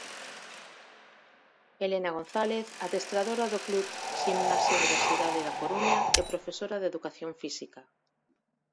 Elena González, Adestradora do Club Ximnasia Universidade da Coruña e profesora de Educación Física.